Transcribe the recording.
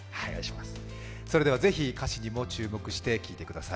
ぜひ歌詞にも注目して聴いてください。